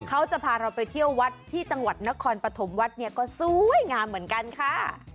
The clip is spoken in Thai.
เขาจะพาเราไปเที่ยววัดที่จังหวัดนครปฐมวัดเนี่ยก็สวยงามเหมือนกันค่ะ